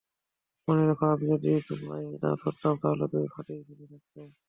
মনে রেখো, আমি যদি তোমায় না ছুটাতাম, তাহলে তুমি ফাঁদেই ঝুলে থাকতে।